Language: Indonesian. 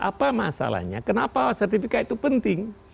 apa masalahnya kenapa sertifikat itu penting